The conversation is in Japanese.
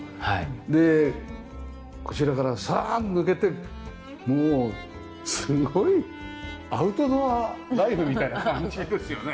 でこちらからサーッ抜けてもうすごいアウトドアライフみたいな感じですよね。